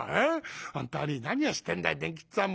本当に何をしてんだい伝吉っつぁんも。